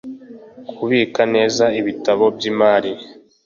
kubika neza ibitabo by imari